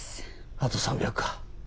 あと３００か。